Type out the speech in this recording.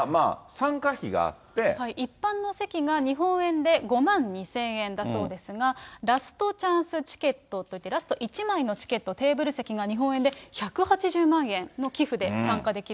一般の席が日本円で５万２０００円だそうですが、ラストチャンスチケットといって、ラスト１枚のチケット、テーブル席が日本円で１８０万円の寄付で参加できると。